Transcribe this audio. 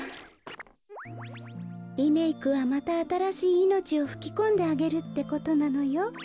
リメークはまたあたらしいいのちをふきこんであげるってことなのよ。